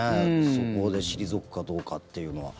そこで退くかどうかっていうのは。